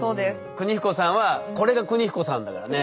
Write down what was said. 邦彦さんはこれが邦彦さんだからね。